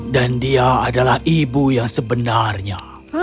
dan dia adalah ibu yang sebenarnya